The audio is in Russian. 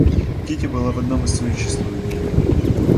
Кити была в одном из своих счастливых дней.